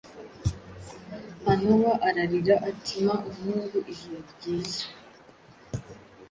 Manowa ararira ati: "Mpa umuhungu, Ijuru ryiza".